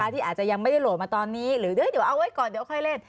ที่อาจจะยังไม่ได้โหลดมาตอนนี้หรือเดี๋ยวเอาไว้ก่อนเดี๋ยวค่อยเล่น